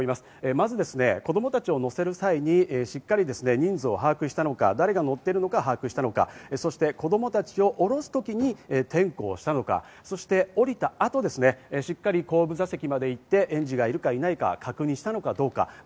まず子供たちを乗せる際にしっかり人数を把握したのか、誰が乗っているのか、把握したのか、そして子供たちを降ろすときに点呼したのか、そして降りたあと、しっかり後部座席まで行って園児がいるかいないか確認したのかどうか。